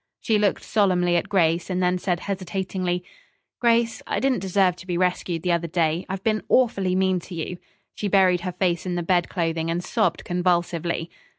She looked solemnly at Grace, and then said hesitatingly, "Grace, I didn't deserve to be rescued the other day. I've been awfully mean to you." She buried her face in the bed clothing and sobbed convulsively.